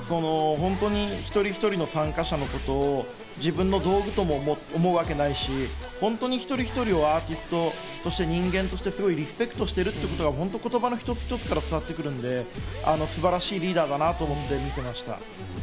一人一人の参加者のことを自分の道具とも思うわけないし、本当に一人一人をアーティスト、そして人間としてリスペクトしてることが言葉の一つ一つから伝わってくるので、本当に素晴らしいリーダーだなと思って見てました。